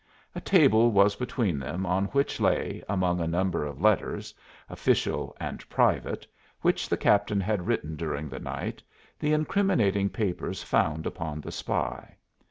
A table was between them on which lay, among a number of letters, official and private, which the captain had written during the night, the incriminating papers found upon the spy.